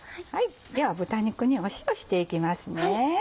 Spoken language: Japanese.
では豚肉に塩していきますね。